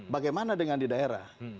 bagaimana dengan di daerah